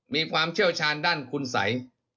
มีความเชี่ยวชาญด้านคุณสัย